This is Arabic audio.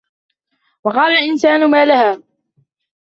وقال الإنسان ما لها